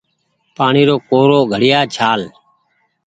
پآڻيٚ رو ڪورو گھڙيآ ڇآل